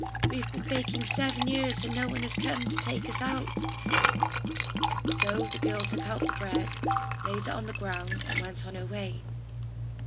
We have been baking seven years, and no one has come to take us out." So the girl took out the bread, laid it on the ground, and went on her way.